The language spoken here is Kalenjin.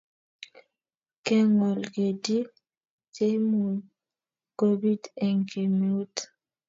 ke gol ketik cheimuci kobit eng' kemeut